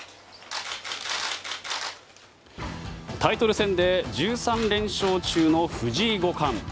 タイトル戦で１３連勝中の藤井五冠。